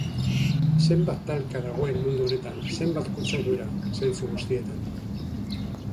Zenbat talka dagoen mundu honetan, zenbat kutsadura, zentzu guztietan.